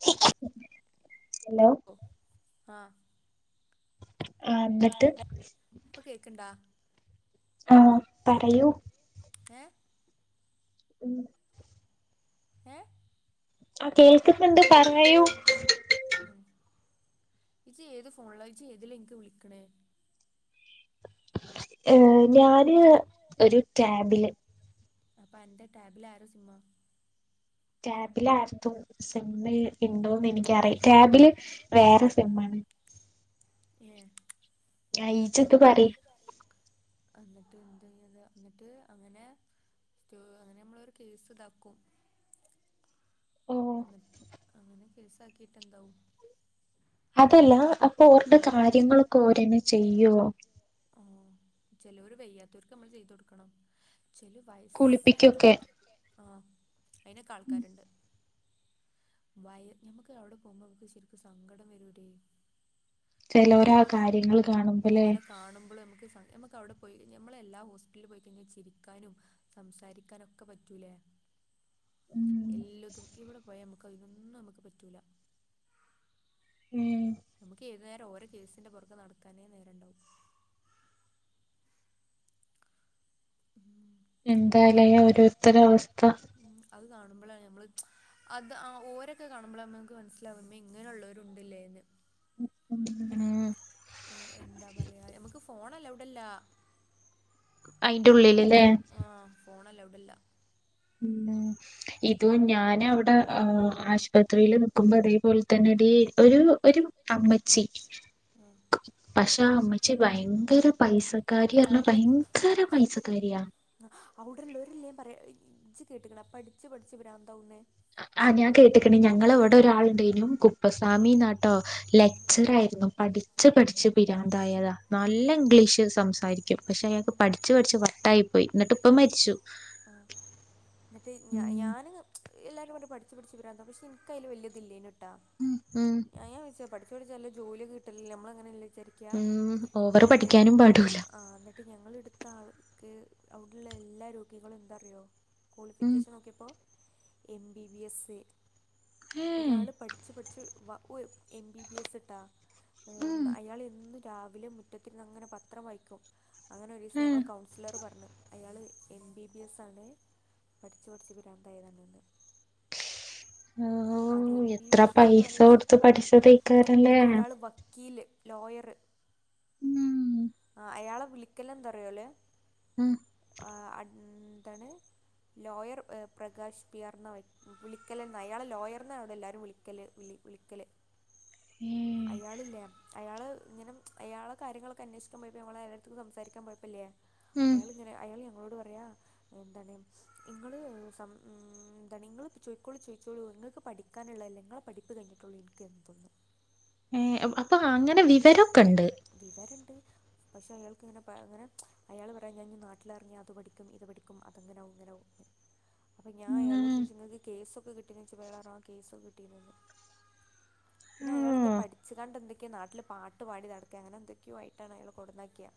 [unintelligible] Hello ആ ആ എന്നിട്ട് ആ പറയൂ [unintelligible] ഉം ഏ ആ കേൾക്കുണ്ട് പറയൂ ഇജ്ജ് ഏത് ഫോണില ഇജ്ജ് ഏത് ല വിളിക്ണേ ഏ ഞാന് ഒരു ക്യാബില് അപ്പൊ എന്റെ ടാബില ആര സിമമാ റ്റപ്പില്ലയിരുന്നുും സെമ [unintelligible] ഉണ്ടോന്ന് എനിക്കറിയാം ക്യാബില് വേറെ സിം ആണ നയിച്ചത്ത് പറ എന്നിട്ട് എന്ത് ചെയ എന്നിട്ട് അങ്ങനെ അങ്ങനെ നമ്മളൊരു കേസ് ഇതാക്കും [unintelligible] കേസാകീട്ടൺന്തവും [unintelligible] അതല്ല അപ്പൊ ഓരുടെ കാര്യങ്ങളൊക്കെ ഓരന്നെ ചെയ്യുവോ ചിലവർ വയ്യാത്തവർക്ക് നമ്മള് ചെയ്ത കൊടുക്കണം ചെില വയസ്സായിട്ടുള്ള ആൾക്കക്ക അയിനോക്കെ ആൾക്കാരുണ്ട് ഞമ്മുക്ക് അവിടെ പോകുമ്പോക്ക് ശരിക്കും സങ്കടം വരൂടെേ ചിലരാ കാര്യങ്ങൾ കാണുമ്പോലേ നമുക്ക് അവിടെ പോയി ഞമ്മള എല്ലാ ഹോസ്പിറ്റലും പോയിക്കെ ചിരിക്കാനും സംസാരിക്കാനൊക്കെ പറ്റൂലേ എല്ലോതും പോയി നമുക്ക് അതിനൊന്നും നമുക്ക് പറ്റൂല നമുക്ക് ഏത് തരം ഓരോ കേസിന്റെ പൊറകെ നടക്കാനേ നേരണ്ടാവു എന്താലേ ഒരുരോരുത്തര അവസ്ഥ കാണുമ്പോഴാണ് നമ്മ അത് ഓരൊക്കെ കാണുമ്പോഴ നമുക്ക് മനസ്സിലാവുമ്പ ഇങ്ങനെള്ളവരുണ്ടില്ലേന്ന് ഉം എന്താപറയാ ഞമ്മക്ക് ഫോൺ അലോവ്ടല്ല അയിന്റെ ഉള്ളില് ആ ഫോണ ലൗ ഡല്ല. മ് [unintelligible] ഇത് ഞാന അവട ആ ആശുപത്രിൽ നിക്കുമ്പോ അതേപോലെ തന്നെഡി ഒരു ഒരു അമ്മ ച്ചി പക്ഷേ ആ അമ്മച്ചി ഭയ ങ്കര പൈസ അവിടോള്ളോരെല്ലേ പറയ് [unintelligible] കേട്ടക്കണ പഠിച്ച് പഠിച്ചച്ച് ബ്രതകുന്നേ ആ ഞാൻ കേട്ടിക്ക്ണ് ഞങ്ങളിവടെ ഒരാളുണ്ടെയിനു കുപ്പസ് താമിനാട് ട്ടോ ലെക്ചറായിരുന്നു, പഠിച്ചു പഠിച്ചു പിരാന്തായതാ, നല്ല ഇംഗ്ലീഷ് സംസാരിക്കും, പക്ഷേ അയാക്ക് പഠിച്ചു പഠിച്ച്ച് വട്ടായി പോയി, എന്നിട്ട് ഇപ്പം മരിച്ചു. ട്ട് ഞാ ഞാന് എല്ലാരും [unintelligible] പഠിച്ച് പഠിച്ച് പ്രാന്താവും പക്ഷേ ന്ക്ക് അയ്ല് വല്യ ഇതില്യായ്ന്ട് മ് മ് പഠിച്ചു പഠിച്ച് നല്ല ജോലിയൊക്കെ കിട്ടലില്ലെ നമ്മളങ്ങനല്ലേ മ് ഓവറ് പഠിക്കാനും പാടൂല്ല. ട്ട് ഞങ്ങളെ എടുത്ത ആൾക്ക് അവിടുള്ള എല്ലാ രോഗികളും എന്താറിയോ. ക്വാളിഫിക്കേഷൻ നോക്കിയപ്പോ എം ബി ബി എസ് എ ഒരാള് പഠിച്ചു പഠിച്ച് വ ഉയൊ എം ബി ബി എസ് ട്ടാ അയെൻ അയാൾ എന്നും രാവിലെ മുറ്റത്തിരുന്ന് അങ്ങനെ പത്രം വായിക്കും. അങ്ങനെ ഒരു ദിവസം ഞങ്ങളെ കൗൺസിലറ് പറഞ്ഞ് അയാൾ എം ബി ബി എസ് ആണ് പഠിച്ച് പഠിച്ചു പ്രാന്തായതാണ് ന്ന് ആഹ് എത്ര പൈസ കൊടുത്ത് പഠി തൈക്കാരല്ലേ വക്കീല് ലോയറ് ഉം ആഹ് അയാളെ വിളിക്കല് എന്താറിയോല് ഉം ആഹ് എന്താണ് ലോയർ പ്രകാശ് കിയർ വിളിക്കല് അയാളെ ലോയർന്നാണ് ഇവിടെ എല്ലാവരും വിളിക്കല് വിളിക്കല് അയാളില്ലേ അയാള് ഇങ്ങനെ അയാളെ കാര്യങ്ങളൊക്കെ അന്വേഷിക്കാൻ പോയപ്പ നമ്മളെ അയാളടത്തേക്ക് സംസാരിക്കാൻ പോയപ്പല്ലേ അയാളിങ്ങനെ അയാ ഞങ്ങളോട് പറയാ എന്താണ് ഇങ്ങള് സം എന്താണ് ഇങ്ങള് ചോയ്ക്കോളൂ ചോച്ചോളൂ പറഞ്ഞു ഇങ്ങൾക്ക് പഠിക്കാനുള്ളതല്ലേ ഇങ്ങളെ പഠിപ്പ് കഴിഞ്ഞിട്ടുള്ളൂ എനിക്ക് എന്തും ന്ന് ഏഹ് അപ്പൊ അങ്ങനെ വിവരം വിവരിണ്ട് പക്ഷെ അയാൾക്ക് ഇങ്ങനെ അങ്ങനെ അയാൾ പറയാൻ ഞാൻ നാട്ടിലിറങ്ങി അത് പഠിക്കും ഇത് പഠിക്കും അതങ്ങനാവും ഇങ്ങനാവും അപ്പൊ ഞാൻ അയാളോട് ചോദിച്ച് ഇങ്ങക്ക് കേസൊ കിട്ടീന് വെച്ച് ബെളാറാ കേസൊക്കെ കിട്ടീന് ന്ന് പിന്നെ അയാളെന്തോ പഠിച്ച്ങ്ങാണ്ട് എന്തൊ നാട്ടിൽ പാട്ട് പാടി നടക്കേ അങ്ങനെ എന്തൊക്കെയോ ആയിട്ടാണ് അയാൾ കൊണ്ടുന്നാക്കിയെ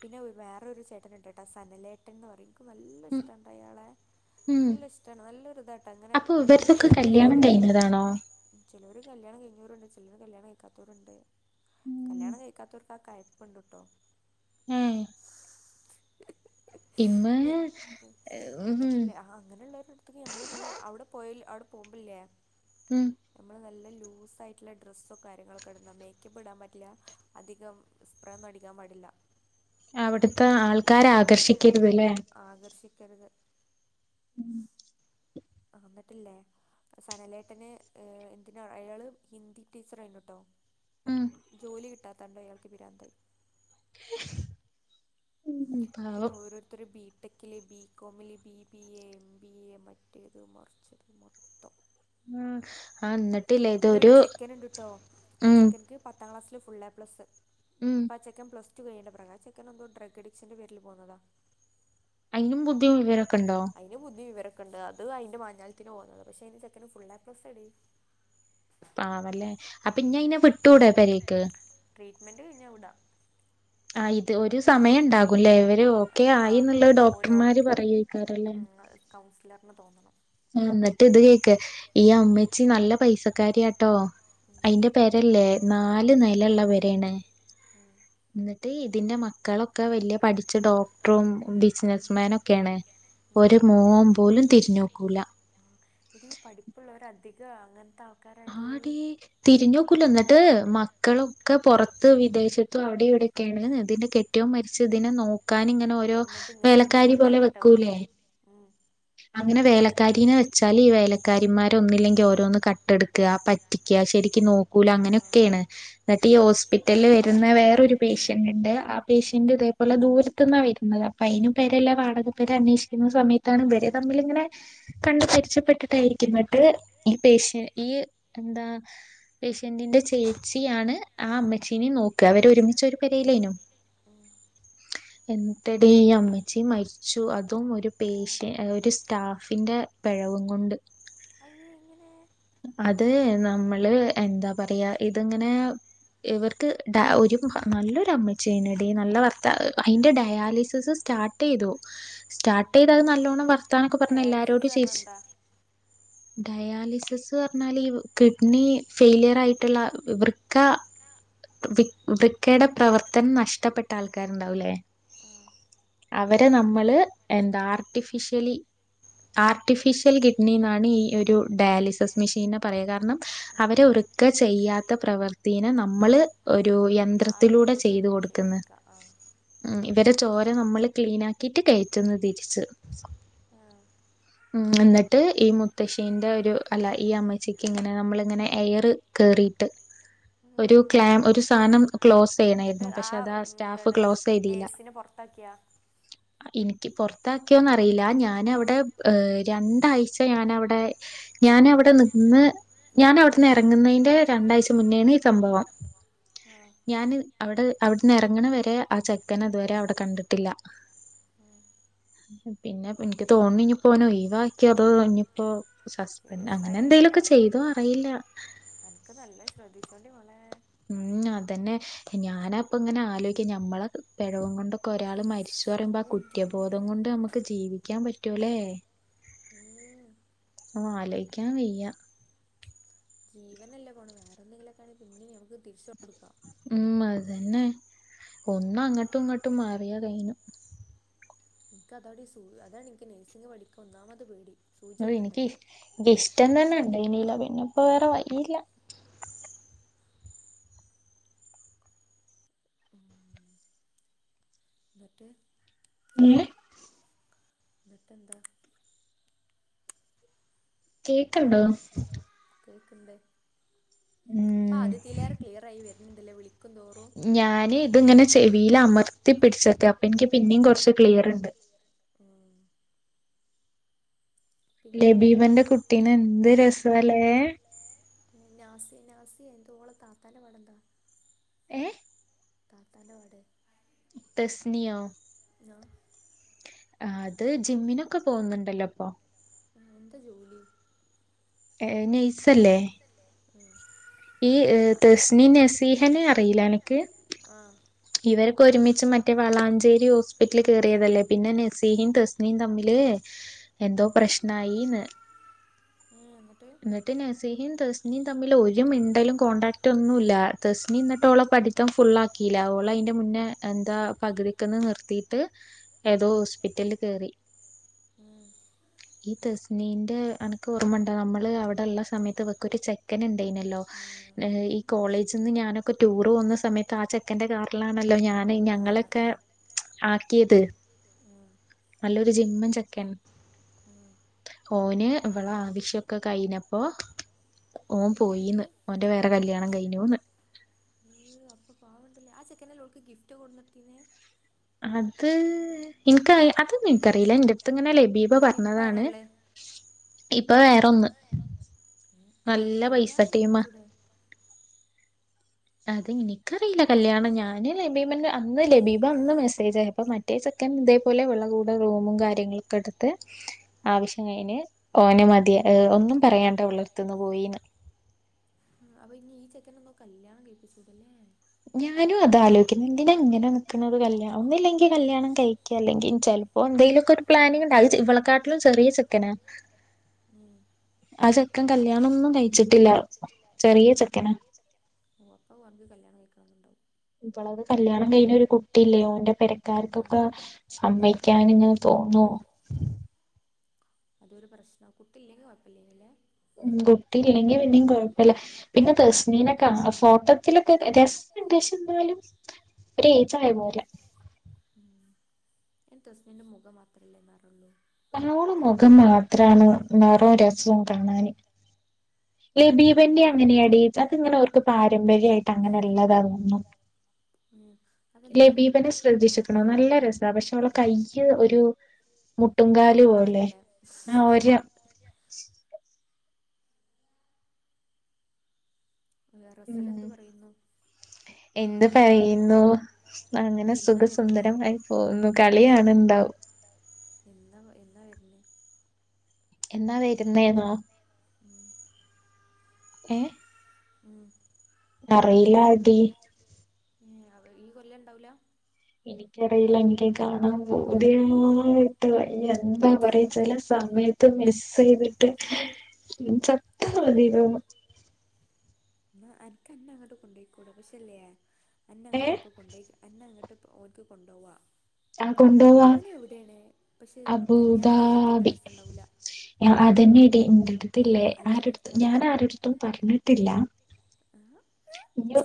പിന്നെ വേറൊരു ചേട്ടൻ ഇണ്ട്ട്ടാ സനലേട്ടൻന്ന് പറയും നല്ല ഇഷ്ടാണ്ട്ടാ അയാളെ നല്ല ഇഷ്ടാണ് നല്ലൊരിതാട്ടാ ഇങ്ങനെ എപ്പളും വിജയിന്റെ ഫാനാട്ടാ ചിലോര് കല്യാണം കഴിഞ്ഞവരുണ്ട് ചിലോര് കല്യാണം കഴിക്കാത്തോരുണ്ട് കല്യാണം കഴിക്കാത്തോർ ആഹ് കയപ്പുണ്ട്ട്ടോ ഏഹ് ഇന്ന് എന്നിട്ടില്ലേ അങ്ങനെയുള്ളവരുടെടുത്തക്ക് നമ്മൾ നല്ല അവിടെ പോയലവിടെ പോംപില്ലേ [inaudible] ലൂസായിട്ടുള്ള ഡ്രസ്സോ കാര്യങ്ങളോക്കെ ഇടണം. മേക്കപ്പ് ഇടാൻ പറ്റില്ല. അധികം സ്പ്രേ ഒന്നും അടിക്കാൻ പാടില്ല അവടത് ത്തെ ആൾക്കാരെ ആകർഷിക്കരുത് ല്ലേ ക്കരുത് [inaudible] ഉം ആന്നിട്ടില്ലേ സനലേട്ടന് എന്തിനോ അയാള് ഹിന്ദി ടീച്ചറായിരുന്നൂട്ടോ ജോലി കിട്ടാത് തന്നാ അയാൾക്ക് പിരാന്തായി [unintelligible] പിന്നെ ഓരോരുത്തരു ബീപ് ടെക്കില് ബികോമില് B B A M B A മറ്റേത് മറിച്ചത് മൊത്തം ഉം ഹ് പിന്നെ ഒരു ചെക്കൻ ഉണ്ട് ട്ടോ ആ ചെക്കന്ക്ക് പത്താം ക്ലാസ്സില് ഫുള്ളേ പ്ലസ് ഇപ്പാച്ചെക്കൻ പ്ലസ് കഴിയണ്ടെ പ്രകാശ് എക്കെ എന്തോ ഡ്രഗ് അഡിക്ഷന്റെ പേരിൽ പോകുന്നതാ അതിനും ബുദ്ധീംവിവര അതിനു ബുദ്ധീം വിവരോ ക്ക്ണ്ട് അത് അതിന്റെ മഞ്ചാലത്തിന് പോന്നുന്നത് പക്ഷെ അയിന് ചെക്കന് ഫുള്ള് ഏപ്ലസ് ആടീ പാവല്ലേ അപ്പൊ ഇഞ്ഞ അയിനെ വിട്ടൂടേ പെരേക്ക് അമ്മെന്റെ കഴിഞ്ഞാവിടാ ഇത് ഒരു സ് സമയംണ്ടാകൂലേ ഇവര് ഓക്കെ ആയി എന്നുള്ളത് ഡോക്ടറമാര് പറയ കേക്കാറല്ലേ ഇല്ലർന്ന് തോന്നണം ആ ന്ന ഇത് കേക്ക് ഈ അമ്മച്ചി നല്ല പൈസക്കാരിയാട്ടോ അതിന്റെ പെരേല്ലേ നാല് നിലേള്ള പെര്യാണ് എന്നിട്ട് പിന്നെ മക്കളൊക്കെ വല്യ പഠിച്ച ഡോക്ടറും ബിസിനസ്സ്മാൻ ഒക്കെയാണ് ഒരു മൂൻ പോലും തിരിഞ്ഞോക്കു എടീ ഈ പഠിപ്പുള്ളവര് അധികം അങ്ങനത്തെ ആടീ തിരിഞ്ഞോക്കൂല്ലന്നിട്ട് മക്കളൊക്കെ പൊറത്ത് വിദേശത്തും അവിടെയും ഇവിടെയൊക്കെയാണ് ഇതിന്റെ കെട്ട്യോൻ മരിച്ച് ഇതിനെ നോക്കത്തി ഇങ്ങനെ ഓരോ വേലക്കാരി പോലെ വെക്കൂലേ അങ്ങനെ വേലക്കാരീനെ വെച്ചാല് ഈ വേലക്കാരിമാര് ഒന്നില്ലെങ്കിൽ ഓരോ കട് എടു ക് യാ പറ്റി ശരിക്കും നോക്കൂല ങ്ങനെയൊക്കെയാണ് ന്നിട്ട് ഈ ഹോസ്പിറ്റലില് വരുന്ന വേറൊരു പേഷ്യന്റ്ണ്ട്. ആ പേഷ്യന്റ് ഇതേപോലെ ദൂരത്ത്ന്നാ വരുന്നത്. അപ്പൊ അയ്ന് പേരെല്ല വാടക പെരന്വേഷിക്കുന്ന സമയത്താണ് ഇവരെ തമ്മിൽങ്ങനെ കണ്ട്പരിചപ്പെട്ടിട്ടായിരിക്കും എന്നിട്ട് ഈ പേഷ്യൻ എന്താ പേഷ്യന്റിന്റെ ചേച്ചിയാണ് ആ അമ്മച്ചീനെ നോക്ക്ക. അവരൊരുമിച്ച ഒരു പെരയിലേനു എ ഒ തടി അമ്മച്ചീ മരിച്ചു അതും ഒരു പേഷ്യൻ ഒരു സ്റ്റാഫിന്റെറെ പിഴവും കൊണ്ട് അത് നമ്മള് എന്താ പറയാ ഇത്ങ്ങനെ ഇവർക്ക് ഒരു നല്ലൊരു അമ്മച്ചായ്നടി നല്ല വർത്ത അതിൻ്റെ ഡയാലിസിസ് സ്റ്റാർട്ട് ചെയ്തു. സ്റ്റാർട്ട് ചെയ്തത് നല്ലോണ്ണം വർത്താനൊക്കെ പറഞ്ഞ എല്ലാവരോടും ചിരിച്ച് ഡയാലിസിസ് പറഞ്ഞാൽ ഈ കിഡ്നി ഫെയിലിയർ ആയിട്ടുള്ള വൃക്ക വി വി പ്രവർത്തനം നഷ്ടപ്പെട്ട ആൾക്കാരുണ്ടാവല്ലേ അവര് മറ്റ നമ്മള് എന്താ ആർട്ടിഫിഷ്യലി ആർട്ടിഫിഷ്യൽ കിഡ്നി എന്നാണ് ഈ ഒരു ഡയാലിസിസ് മെഷീനെ പറയാ കാരണം അവരെ ഒരുക്ക ചെയ്യാത്ത പ്രവർത്തിനെ നമ്മൾ ഒരു യന്ത്രത്തിലൂടെ ചെയ്ത് കൊടുക്കുന്നു ഇവടെ ചോര നമ്മൾ ക്ലീനി കിറ്റ് കയറ്റെന്ന് തിരിച്ച് ആഹ ഉ എന്നിട്ട് ഈ മുത്തശ്ശീന്റെ ഒരു അല്ല ഈ അമ്മേച്ചക്ക് ഇങ്ങനെ നമ്മളിങ്ങനെ എയർ കേറിയിട്ട് ഒരു ക്ല ഒരു സാധനം ക്ലോസ് ചെയ്യണായിരുന്നു പക്ഷെ അതാ സ്റ്റാഫ് ക്ലോസ് ചെയഴതില്ലനി കപ്പറ ഇതൊക്കെയൊന്നും അറിയില്ല ഞാന അവിടെ രണ്ടാഴ്ച ഞാനവിടെ ഞാന അവിടെ നിന്ന് ഞാൻ അവിടുന്ന് ഇറങ്ങുന്നതിന്റെ രണ്ടാഴ്ച മുന്നോണ് സംഭവം ഞാന് അവിടെ അവിടുന്ന് ഇറങ്ങണ വരെ ആ ചെക്കൻ അതുവരെ അവിടെ കണ്ടിട്ടില്ല ആ പിന്നെ എനിക്ക് തോന്നി പോനോ ഈവാക്കി അത് ഇഞ്ഞപ്പോ വസയച്ചിട്ട എനക്ക് നല്ല ശ്രദ്ധിച്ചോണ്ട് ഉം അതന്നെ ഞാന അപ്പ ഇങ്ങനെ ആലോചിക്കാം ഞമ്മളെ പിഴവുംം കൊണ്ടൊക്കെ ഒരാൾ മ തിരിു പറയുമ്പോ ആ കുറ്റബോധം കൊണ്ട് നമുക്ക് ജീവിക്കാൻ പറ്റും ട്ടലേ മം ആലോയ്ക്കാൻവയ്യ ജീവനല്ലേ പോണത് വേറന്തെകിലും ഒക്കെ ആണെങ്കിൽ പിന്നിംനമുക്ക് തിരിച്ചു കൊടുക്കാം ഉം അതന്നെ ഒന്നങ്ങട്ടും ഇങ്ങട്ടും മാറിയാ കൈഞ്ഞു എനിക്ക് അതാടി സൂ അതാണ് എനിക്ക് നഴ്സിംങ് പഠിക്കാൻ ഒന്നാമത് പേടി അ എനിക്ക് എനിക്ക് ഇഷ്ടം തന്നെ ഇണ്ടേനില്ല പിന്നെ ഇപ്പം വേറെ പൈ ഈ ല്ലാ നട്ടേ എന്ത് ന്നട്ടെന്താ കേള്ക്ക്ണ്ടോ കേൾക്കണ്ട് ആദ്യത്തെതിലേറെ ക്ലിയർ ആയിട്ടുണ്ട് കിടിലം ഞാന് ഇതിങ്ങനെ ചെവിൽ അമർത്തി പിിടിച്ചട്ട അപ്പൊ എനിക്ക് പിന്നേും കൊറച്ച് ക്ലിയർ ഉണ്ട് പിന്നെ ലബീബന്റെ കുട്ടിനെ എന്ത് രസല്ലേ.... [inaudible] ഓളെ താത്തന്റെ പാടന്താ [inaudible] ഹേ ഹ് താത്താന്റെ പാട് തസ്നിയോ ന്ന [inaudible] ആ അത് ജിമ്മിനൊക്കെ പോകുന്നുണ്ടല്ലോപ്പൊ എത്തജോലി ഏ നൈസല്ലേ ഉം ഈ തസ്നി നസീഹന അറിയില്ല അനക്ക് ഇവരൊക്കെ ഒരുമിച്ച് മറ്റേ വളാഞ്ചേരി ഹോസ്പിറ്റൽ കേയറിയതല്ലേ പിന്നെ നസിഹും തസ്നിഹും തമ്മില് എന്തോ പ്രശ്നമായിന്ന് എന്നിട്ട് നസിഹും തസ് ഇനിയും തമ്മിൽ ഒരു മിനിണ്ടലും കോൺടാക്ട് ഒന്നുംല്ല തസ്മി എന്നിട്ടോള പഠിത്തം ഫുൾ ആാക്കി ഓളെ അതിന്റെ മുന്നേ എന്താ പകുതിക്ക്ന്ന് നിർത്തീട്ട് ഏതോ ഹോസ്പിറ്റൽകേറി [inaudible] അനക്ക് ഓർമ്മണ്ടോ നമ്മള് അവിടെ ള്ള സമയത്ത് ഇവക്ക് ഒരു ചെക്കൻ ഈ കോളേജ്ന്ന് ഞാൻഒക്കെ ടൂർ പോകുന്ന സമയത്ത് ആ ചെക്കന്റെ [unintelligible] ണല്ലോ ഞൻ ഞങ്ങളൊക്കെ ആക്കിയത് നല്ലൊരു ജിമ്മൻ ചക്കൻ ഓന് ഇവള ആ വിശ്യൊക്കെ കഴിഞ്ഞപ്പോ ഓ പോയിന്ന് ഓന്റെ വേറെ കല്യാണംകഴിഞ്ഞുന്ന് ആ ചെക്കനോൾക്ക് ഗിഫ്റ്റ് കൊടുന്നു കൊട്ത്തീനെ അത് എനക്ക് അത എനിക്കറിയില്ല എറ അടുത്ത് ഇങ്ങനെ ലബീബ പറഞ്ഞതാണ് ഇപ്പൊ വേറെൊന്ന് അവ അയിന് കല്യാണംകഴിപ്പിച്ചൂടെ അത് എനിക്കറിയില്ല കല്യാണം ഞാന് ലഭീബ അന്ന് മെസ്സേജയപ്പ മറ്റേ ചെക്കൻ ഇതേപോലെ അവളുടെ കൂടെ റൂമും കാര്യങ്ങള ഒക്കെ എടുത്ത് ആവശ്യ ന് ഓനെ മതിർ ഒന്നും പറയാണ്ട വളർത്തന്ന് പോയിന്ന് സെക്കൻ ഒന്നോ കല്യാണം കേഴിപ്പിച്ചൂടല്ലേ ഞാനും അതലോചിക്ക എന് അങ്ങനെ നിക്കണ കല്യാണം ഒന്നില്ലെങ്ക കല്യാണം കഴിക്കുക അല്ലെങ്കിൽ ചിലപ്പോ എന്തെിലുമൊക്ക പ്ലാനിങ് ഉണ്ട് അ ഇവളക്കാട്ടിലും ചെറിയ ചെക്കന ആ ചെക്കൻ കല്യാണംൊന്നും കഴിച്ചിട്ടില്ല ചെറിയ ചെക്കന ഇപ്പോള അത് കല്യാണം കഴിഞ്ഞ കുട്ടില്ലേോ അവന്റെ പെരക്കാർക്കൊക്കെ സമ്മക്കൻ ഇങ്ങെ തോന്നുവോ അതരു പ്രശ്ന കുട്ടില്ലെങ്കിൽ കുഴപ്പമില്ല അല്ലേ ഉ ഗുട്ടി ഇല്ലെങ്കി പിന്നെ കുഴപ്പം ല്ല പിന്നെ തശ്മീനൊക്കെ ഫോട്ടത്തിലൊക്കെ രസശ എന്നാലും ഒ ഏജ ആയ പോോല്ല എ് ടസ്മിൻ്റെ മുഖം മാത്രമല്ലേ മാറുള്ളൂ നള മുഖം മാത്രമാണ് നിറവും രസവും കാണാാന് അല്ല ഭീപറെ അങ്ങനെ അങ്ങനെ അവർക്ക് പമ്പര്യട്ട് അങ്ങനെള്ളതന്ന ലബനെ ശ്രദ്ധിച്ച നല്ല രസ പക്ഷെ ഓൾഡ് കൈ ഒരു മുട്ടി ബംഗാളി പോല്ലേ ആ ഒരു റസൽ എന്ത് പറയുന്നു എന്ത് പറയുന്നു അങ്ങനെ സുഖസുന്ദരമായി പോകുന്നു കളിയണ ഇണ്ടാവും അല്ലെ എന്നാ വരുന്നേന്നോ ഉം ഏ ഉം അറിയിലാടി ഉ അവ ഈ കൊല്ല ഉണ്ടാവില്ല എനിക്കറിയില്ല എനിക്ക് കാണാൻ പോതിയായിട്ടവയ്യ എന്താ പറച്ചല സമയത്ത് മിസ്സ് ചെയ്തിട്ട് ചത്ത അത ഇത എന്ന എനക്ക്ന്നെ അങ്ങോട്ട് കൊണ്ടോയിക്കൂട പക്ഷെല്ലേ എന്നന്ന അങ്ങട്ട ഇപ്പ കൊണ്ടേക്ക എന്നേ അങ്ങട്ട ഓന്ക്ക് കൊണ്ടുപോകാം ആ കൊണ്ടുപോവാ അബുദാബി അതന്നെ എന്റെടുത്തില്ലേ ആരടുും ഞാൻ ആരുടുത്തും പറഞ്ഞിട്ടില്ല ഇയ്യോ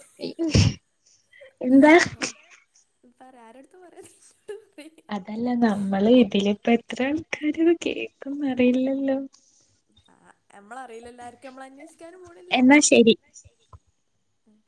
സ് പറെയി ആറെടുത്താ ത അതല്ല നമ്മള് ഇതിലിപ്പ അത്ര ആൾക്കാര് കേൾക്കും അറിയില്ലല്ലോ ആ നമ്മളറിയില്ലല്ല ആർക്കും നമ്മൾ അന്വേഷിക്കാനും പോണില്ല ഉം